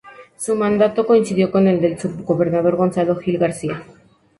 Su mandato coincidió con el del subgobernador Gonzalo Gil García.